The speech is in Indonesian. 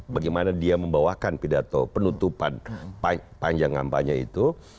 bagaimana dia membawakan pidato penutupan panjang ngampanya itu